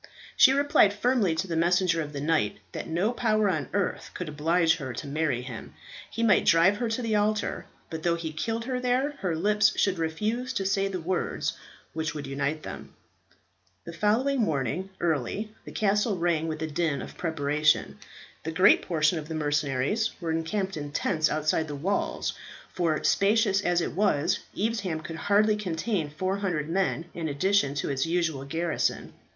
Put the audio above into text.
She replied firmly to the messenger of the knight that no power on earth could oblige her to marry him. He might drive her to the altar; but though he killed her there, her lips should refuse to say the words which would unite them. The following morning, early, the castle rang with the din of preparation. The great portion of the mercenaries were encamped in tents outside the walls, for, spacious as it was, Evesham could hardly contain 400 men in addition to its usual garrison.